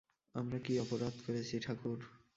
আমরা কী অপরাধ করেছি ঠকুর?